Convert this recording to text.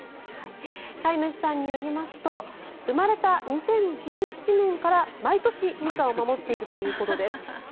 飼い主さんによりますと生まれた２０１７年から毎年、ミカンを守っているということです。